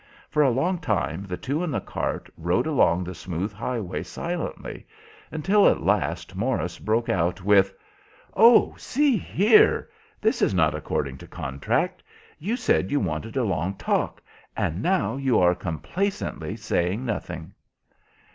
For a long time the two in the cart rode along the smooth highway silently, until at last Morris broke out with— "Oh, see here! This is not according to contract. You said you wanted a long talk, and now you are complacently saying nothing."